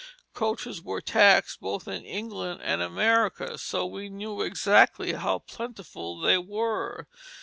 Coaches were taxed both in England and America; so we know exactly how plentiful they were.